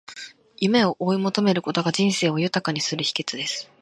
夢を追い求めることが、人生を豊かにする秘訣です。